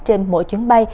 trên mỗi chuyến bay